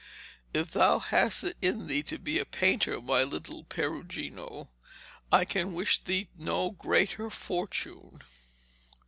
If thou hast it in thee to be a painter, my little Perugino, I can wish thee no greater fortune.'